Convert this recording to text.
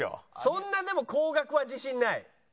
そんなでも高額は自信ない。